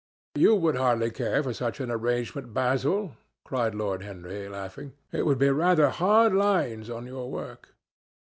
"You would hardly care for such an arrangement, Basil," cried Lord Henry, laughing. "It would be rather hard lines on your work."